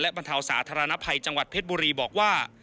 บรรเทาสาธารณภัยจังหวัดเพชรบุรีบอกว่า